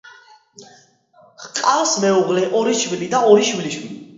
ჰყავს მეუღლე ორი შვილი და ორი შვილიშვილი.